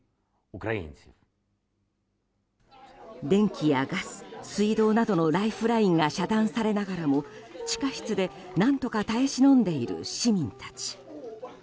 電気やガス、水道などのライフラインが遮断されながらも地下室で何とか耐え忍んでいる市民たち。